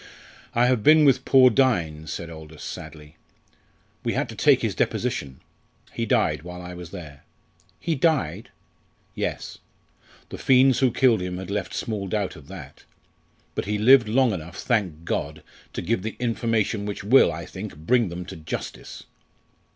"I have been with poor Dynes," said Aldous, sadly; "we had to take his deposition. He died while I was there." "He died?" "Yes. The fiends who killed him had left small doubt of that. But he lived long enough, thank God, to give the information which will, I think, bring them to justice!"